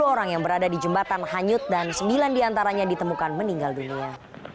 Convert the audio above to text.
sepuluh orang yang berada di jembatan hanyut dan sembilan diantaranya ditemukan meninggal dunia